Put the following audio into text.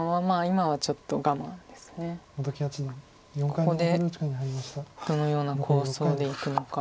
ここでどのような構想でいくのか。